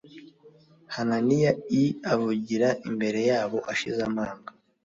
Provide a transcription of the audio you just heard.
Hananiya iavugira imbere yabo ashize amanga